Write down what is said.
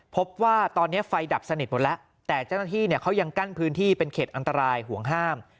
พบว่าตอนนี้ไฟดับสนิทหมดแล้วแต่เจ้าหน้าที่เขายังกั้นพื้นที่เป็นเขตอันตรายห่วงห้าม